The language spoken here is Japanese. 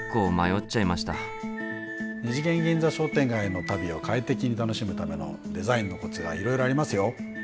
二次元銀座商店街の旅を快適に楽しむためのデザインのコツがいろいろありますよ。